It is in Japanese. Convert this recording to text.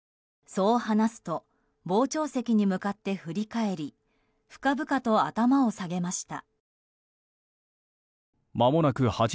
そう話すと傍聴席に向かって振り返り深々と頭を下げました。